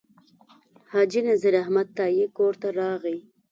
حاجي نذیر احمد تائي کور ته راغی.